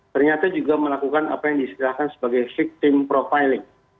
ternyata juga melakukan apa yang disediakan sebagai victim profiling